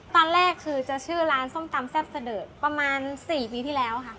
ตอนแรกคือจะชื่อร้านส้มตำแซ่บเสดอประมาณ๔ปีที่แล้วค่ะ